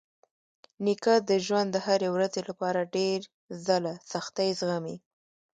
نیکه د ژوند د هرې ورځې لپاره ډېر ځله سختۍ زغمي.